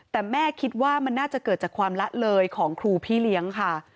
แต่แม่คิดว่ามันน่าจะเกิดจากความละเลยของครูพี่เลี้ยงค่ะ